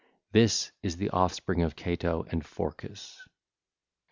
This is the offspring of Ceto and Phorcys.